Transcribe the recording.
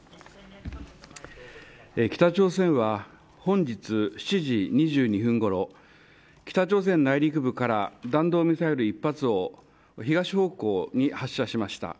北朝鮮は本日７時２２分ごろ北朝鮮内陸部から弾道ミサイル１発を東方向に発射しました。